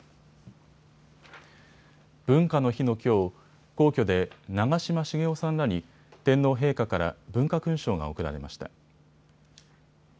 文化の日のきょう、皇居で長嶋茂雄さんらに天皇陛下から文化勲章が贈られました。